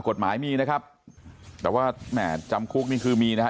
กฎหมายมีนะครับแต่ว่าแหม่จำคุกนี่คือมีนะฮะ